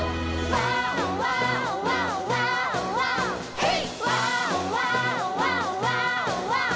ヘイ！